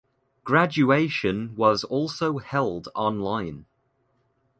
Graduation was also held online.